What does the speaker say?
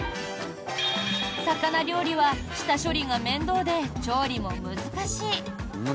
魚料理は下処理が面倒で調理も難しい。